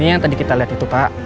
ini yang tadi kita lihat itu pak